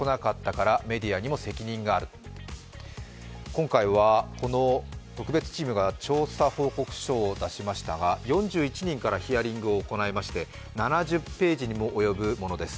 今回はこの特別チームが調査報告書を出しましたが、４１人からヒアリングを行いまして７０ページにも及ぶものです。